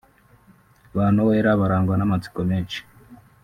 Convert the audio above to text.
Ba Noella barangwa n’amatsiko menshi